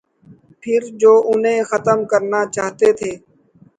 پھر جو انہیں ختم کرنا چاہتے تھے۔